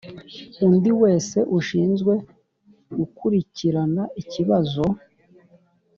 undi wese ushinzwe gukurikirana ikibazo